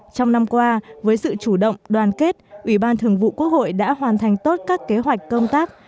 trong năm qua với sự chủ động đoàn kết ủy ban thường vụ quốc hội đã hoàn thành tốt các kế hoạch công tác